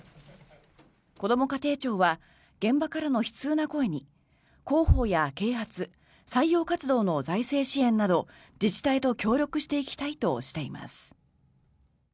こども家庭庁は現場からの悲痛な声に広報や啓発採用活動の財政支援など自治体と協力していきたいとしています。